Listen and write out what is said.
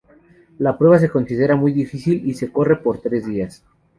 La prueba es considerada muy difícil y se corre por tres días.